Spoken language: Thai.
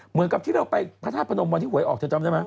เหมือนกับที่เราไปพระธาตุพนมวันที่หวยออกเธอจำได้ไหม